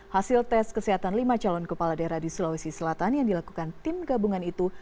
hasil tes kesehatan lima calon kepala daerah di sulawesi selatan yang dilakukan tim gabungan itu